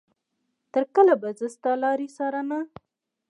تر کله به زه ستا لارې څارنه.